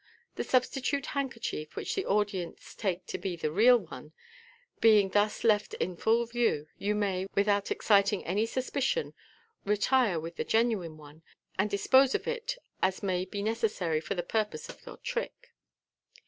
The substitute handkerchief (which the audience take to be the real one) being thus left in full view, you may, without exciting any sus picion, retire with the genuine one, and dispose of it as may be neces sary for the purpose of your trick.